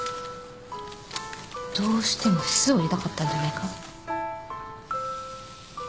どうしても酢を入れたかったんじゃないか？